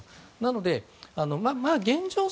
なので現状